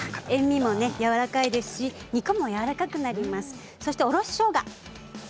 塩みもやわらかいですし肉もやわらかくなります。